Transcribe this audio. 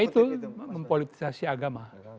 ya itu mempolitisasi agama